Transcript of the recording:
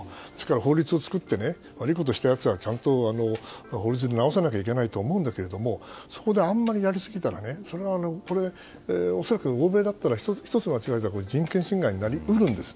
法律を作って悪いことしたやつは法律で直さなきゃいけないと思うんだけどそこであんまりやりすぎたらそれは恐らく欧米だったら１つ間違えたら人権侵害になり得るんです。